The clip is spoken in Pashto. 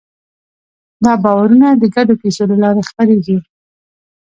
دا باورونه د ګډو کیسو له لارې خپرېږي.